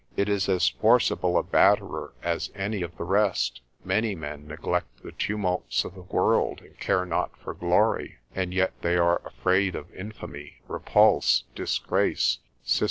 It is as forcible a batterer as any of the rest: Many men neglect the tumults of the world, and care not for glory, and yet they are afraid of infamy, repulse, disgrace, (Tul.